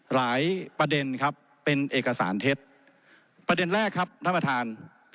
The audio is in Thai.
ประเด็นครับเป็นเอกสารเท็จประเด็นแรกครับท่านประธาน